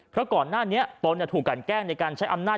เพราะก่อนหน้านี้ตนถูกกันแกล้งในการใช้อำนาจ